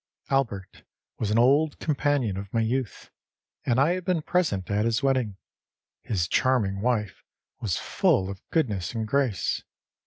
Albert was an old companion of my youth, and I had been present at his wedding. His charming wife was full of goodness and grace.